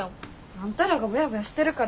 あんたらがボヤボヤしてるからや。